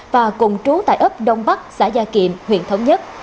và cùng trú tại ấp đông bắc xã gia kiệm huyện thống nhất